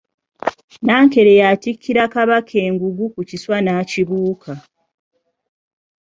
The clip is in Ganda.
Nankere y'atikkira Kabaka engugu ku kiswa n’akibuuka.